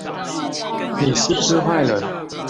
你是不是壞人